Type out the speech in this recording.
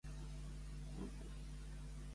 Aquesta temporada el Swansea va perdre la Welsh Cup.